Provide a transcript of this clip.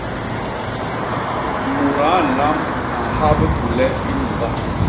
Mudaa nlamb a nha bikule i nuga.